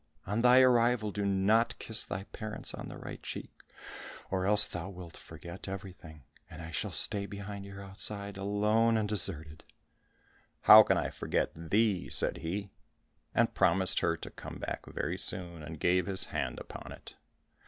On thy arrival do not kiss thy parents on the right cheek, or else thou wilt forget everything, and I shall stay behind here outside, alone and deserted." "How can I forget thee?" said he, and promised her to come back very soon, and gave his hand upon it.